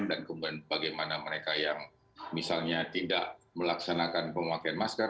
dan kemudian bagaimana mereka yang misalnya tidak melaksanakan pemakaian masker